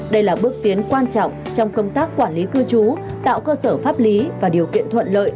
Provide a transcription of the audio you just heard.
đây là bước tiến quan trọng trong công tác quản lý cư trú tạo cơ sở pháp lý và điều kiện thuận lợi